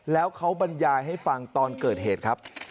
แล้วเขาบรรยายให้ฟังตอนเกิดเหตุครับ